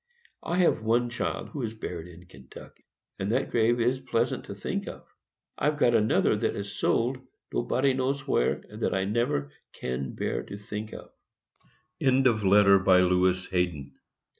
I have one child who is buried in Kentucky, and that grave is pleasant to think of. I've got another that is sold nobody knows where, and that I never can bear to think of. LEWIS HAYDEN.